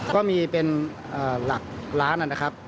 ก็มีเป็นหลักล้านนั้น